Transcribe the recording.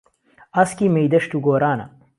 ئاسکی مهیدهشت و گۆرانه